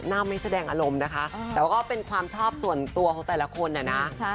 ไม่แสดงอารมณ์นะคะแต่ว่าก็เป็นความชอบส่วนตัวของแต่ละคนนะ